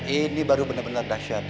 ini baru bener bener dahsyat